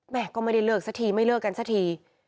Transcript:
ก็ไม่ได้เลิกสักทีไม่เลิกกันสักที